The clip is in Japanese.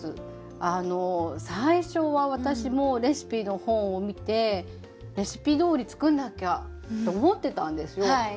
あの最初は私もレシピの本を見てレシピどおり作んなきゃと思ってたんですよ。